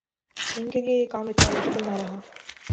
ان کیلئے یہ کام اتنا مشکل نہ رہا۔